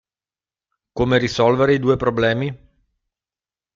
Come risolvere i due problemi?